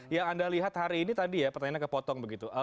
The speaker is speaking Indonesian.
yang anda lihat hari ini tadi ya pertanyaannya kepotong begitu